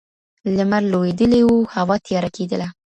لمر لوېدلی وو هوا تیاره کېدله